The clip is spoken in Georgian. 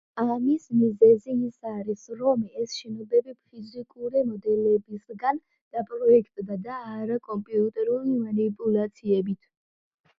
ამის მიზეზი ის არის, რომ ეს შენობები ფიზიკური მოდელებისგან დაპროექტდა და არა კომპიუტერული მანიპულაციებით.